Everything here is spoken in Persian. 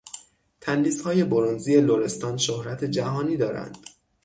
تندیسهای برنزی لرستان شهرت جهانی دارند.